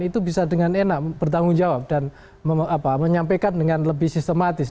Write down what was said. itu bisa dengan enak bertanggung jawab dan menyampaikan dengan lebih sistematis